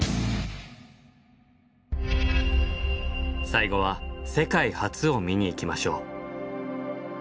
最後は世界初を見に行きましょう。